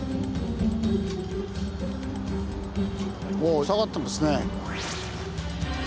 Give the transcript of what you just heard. お下がってますね。